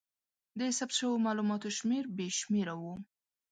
د ثبت شوو مالوماتو شمېر بې شمېره و.